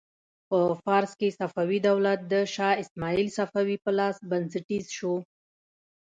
په فارس کې صفوي دولت د شا اسماعیل صفوي په لاس بنسټیز شو.